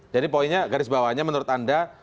jadi poinnya garis bawahnya menurut anda